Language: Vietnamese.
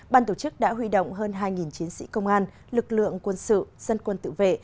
ban tổ chức đã huy động hơn hai chiến sĩ công an lực lượng quân sự dân quân tự vệ